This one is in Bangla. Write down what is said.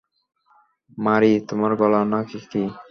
মারি, তোমার গলা না কি?